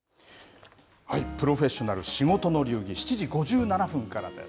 プロフェッショナル仕事の流儀、７時５７分からです。